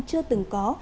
chưa từng có